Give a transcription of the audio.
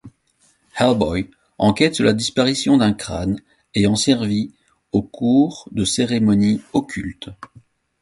Hellboy enquête sur la disparition d'un crâne ayant servi au cours de cérémonies occultes.